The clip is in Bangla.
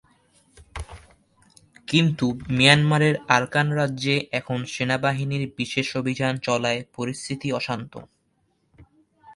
কিন্তু মিয়ানমারের আরাকান রাজ্যে এখন সেনাবাহিনীর বিশেষ অভিযান চলায় পরিস্থিতি অশান্ত।